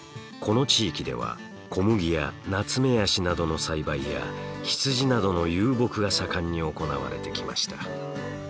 この地域では小麦やナツメヤシなどの栽培や羊などの遊牧が盛んに行われてきました。